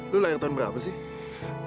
lu lahir tahun berapa sih